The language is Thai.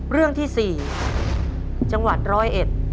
เรื่องที่สี่จังหวัดร้อยเอ็ด